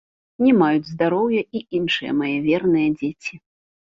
Не маюць здароўя і іншыя мае верныя дзеці.